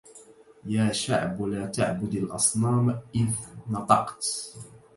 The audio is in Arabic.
يا شعب لا تعبد الأصنام إذ نطقت